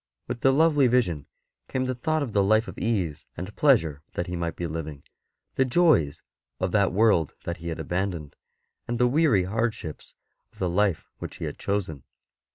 With the lovely vision came the thought of the life of ease and pleasure that he might be living, the joys of that world that he had abandoned, the weary hardships of the life which he had chosen.